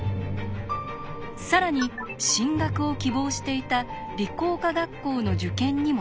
更に進学を希望していた理工科学校の受験にも失敗。